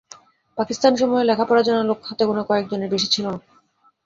পাকিস্তান সময়ে লেখাপড়া জানা লোক হাতে গোনা কয়েকজনের বেশি ছিল না।